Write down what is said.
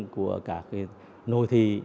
của các cái nội thị